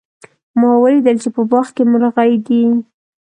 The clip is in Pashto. ما ولیدل چې په باغ کې مرغۍ دي